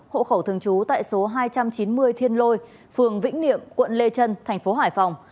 hộ khẩu thường trú tại số hai trăm chín mươi thiên lôi phường vĩnh niệm quận lê trân thành phố hải phòng